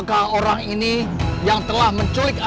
ya catholic ini masalah emas wanita